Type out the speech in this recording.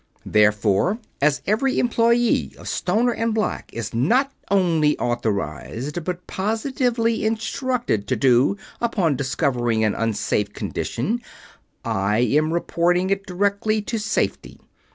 Therefore, as every employee of Stoner and Black is not only authorized but positively instructed to do upon discovering an unsafe condition, I am reporting it direct to Safety.